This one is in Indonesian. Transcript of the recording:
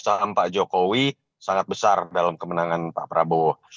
saham pak jokowi sangat besar dalam kemenangan pak prabowo